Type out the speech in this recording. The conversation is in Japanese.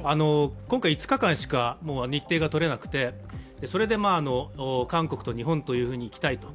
今回、５日間しか日程がとれなくて、それで韓国と日本に行きたいと。